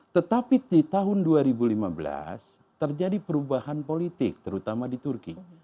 tetapi di tahun dua ribu lima belas terjadi perubahan politik terutama di turki